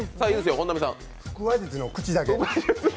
腹話術の口だけ。